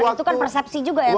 waktu itu kan persepsi juga ya